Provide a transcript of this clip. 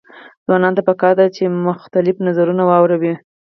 ځوانانو ته پکار ده چې، مختلف نظرونه واوري.